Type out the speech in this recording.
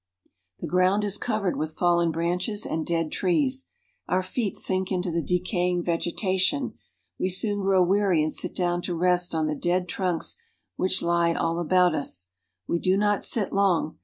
The ground is covered with fallen branches and dead trees. Our feet sink into the decaying vegetation ; we soon grow weary and sit down to rest on the dead trunks which lie all about us. We do not sit long.